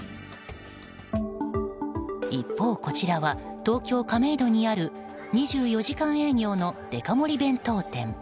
一方こちらは、東京・亀戸にある２４時間営業のデカ盛り弁当店。